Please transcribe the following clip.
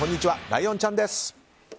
ライオンちゃんです。